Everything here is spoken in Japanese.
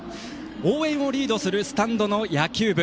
応援をリードするスタンドの野球部。